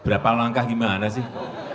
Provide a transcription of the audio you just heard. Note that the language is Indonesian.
berapa langkah gimana sih